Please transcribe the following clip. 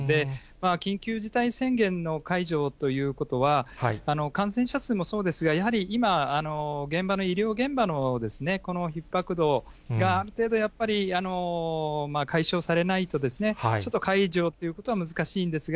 緊急事態宣言の解除ということは、感染者数もそうですが、やはり今、現場の、医療現場のこのひっ迫度がある程度やっぱり、解消されないと、ちょっと解除っていうことは難しいんですが、